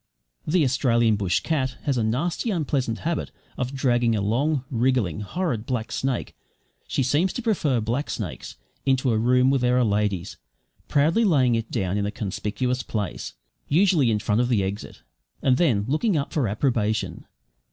The Australian bush cat has a nasty, unpleasant habit of dragging a long, wriggling, horrid, black snake she seems to prefer black snakes into a room where there are ladies, proudly laying it down in a conspicuous place (usually in front of the exit), and then looking up for approbation.